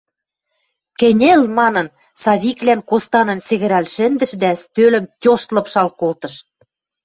– Кӹньӹл! – манын, Савиклӓн костанын сӹгӹрӓл шӹндӹш дӓ стӧлӹм тьошт лыпшал колтыш.